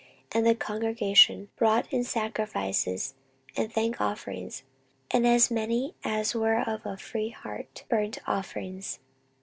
And the congregation brought in sacrifices and thank offerings; and as many as were of a free heart burnt offerings.